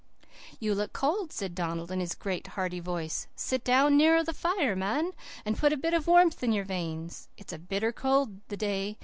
"'You look cold,' said Donald, in his great, hearty voice. 'Sit nearer the fire, man, and put a bit of warmth in your veins. It's bitter cold the day.